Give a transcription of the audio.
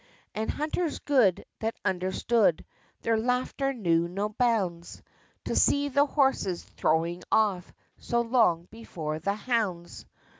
And hunters good, that understood, Their laughter knew no bounds, To see the horses "throwing off," So long before the hounds.